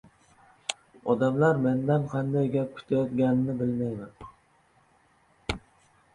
Odamlar mendan qanday gap kutayotganini bilmayman